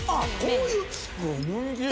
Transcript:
こういう。